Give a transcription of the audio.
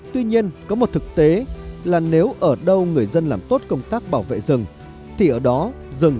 tuy nhiên có một thực tế là nếu ở đâu người dân làm tốt công tác bảo vệ rừng